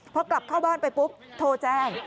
พอกลับเข้าบ้านไปปุ๊บโทรแจ้ง